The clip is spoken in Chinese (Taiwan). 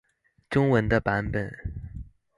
中文的版本